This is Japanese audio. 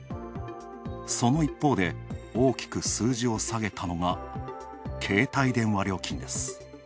その一方で、大きく数字を下げたのが携帯電話料金です。